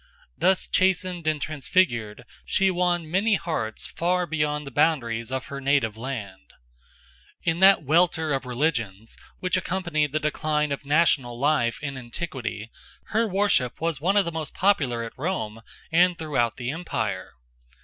Thus chastened and transfigured she won many hearts far beyond the boundaries of her native land. In that welter of religions which accompanied the decline of national life in antiquity her worship was one of the most popular at Rome and throughout the empire.